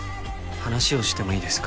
話をしてもいいですか？